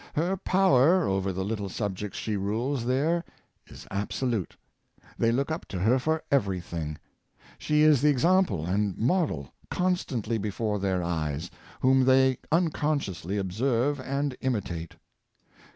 Her power over the little subjects she rules there is absolute. They look up to her for every thing. She is the example and model 94 Maternal Love, constantly before their eyes, whom they unconsciously observe and imitate.